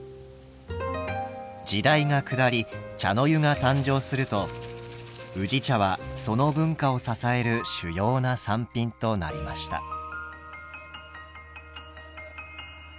時代が下り茶の湯が誕生すると宇治茶はその文化を支える主要な産品となりました。